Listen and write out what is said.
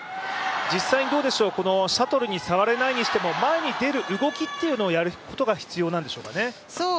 実際に、シャトルに触れないにしても、前に出る動きをやることが必要なんでしょうかね？